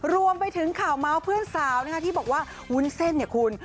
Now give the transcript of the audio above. รวมไปถึงข่าวเมาส์เพื่อนสาวนะคะที่บอกว่าวุ้นเส้นเนี่ยคุณ